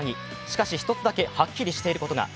しかし１つだけはっきりしていることが。